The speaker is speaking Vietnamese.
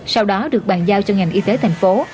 sau đó được bàn giao cho ngành y tế thành phố